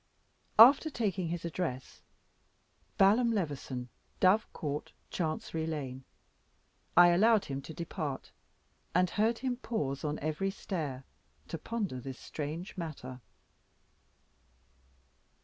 After taking his address, "Balaam Levison, Dove Court, Chancery Lane," I allowed him to depart, and heard him pause on every stair, to ponder this strange matter.